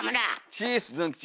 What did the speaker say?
チーッスズン吉。